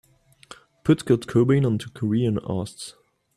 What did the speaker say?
Put Kurt Cobain onto korean osts.